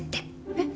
えっ？